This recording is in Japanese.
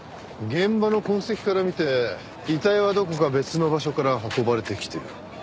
現場の痕跡から見て遺体はどこか別の場所から運ばれてきてる。